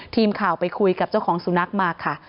ทีมข่าวไปคุยกับเจ้าของสุนักพันธุ์มากค่ะ